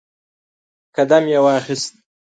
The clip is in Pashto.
قدم یې واخیست